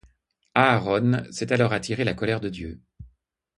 Aaron s'est alors attiré la colère de Dieu.